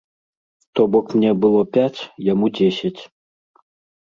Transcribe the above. То бок мне было пяць, яму дзесяць.